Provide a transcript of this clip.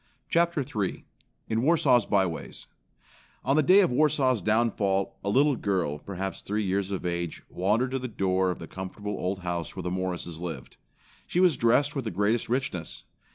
Chapter III In Warsaw's By ways On the day of Warsaw's downfall, a little girl, perhaps three years of age, wandered to the door of the comfortable old house where the Morrises lived. She was dressed with the greatest richness.